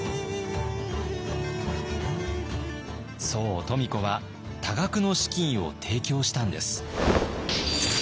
そう富子は多額の資金を提供したんです。